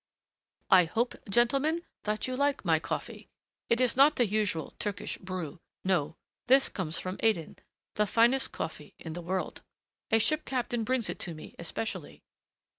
"I hope, gentlemen, that you like my coffee. It is not the usual Turkish brew. No, this comes from Aden, the finest coffee in the world. A ship captain brings it to me, especially."